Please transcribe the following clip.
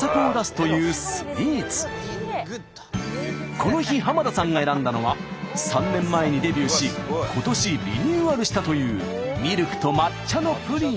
この日濱田さんが選んだのは３年前にデビューし今年リニューアルしたというミルクと抹茶のプリン。